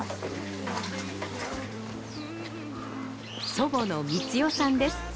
祖母の満代さんです